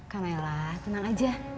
kamu nailah tenang aja